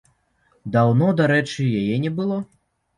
Даўно, дарэчы, яе не было.